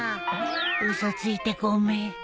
嘘ついてごめん